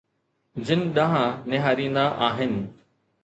جن ڏانهن نهاريندا آهن.